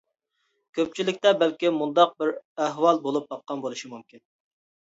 كۆپچىلىكتە بەلكىم مۇنداق بىر ئەھۋال بولۇپ باققان بولۇشى مۇمكىن.